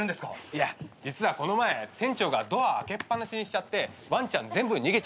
いや実はこの前店長がドア開けっ放しにしちゃってワンちゃん全部逃げちゃったんですよ。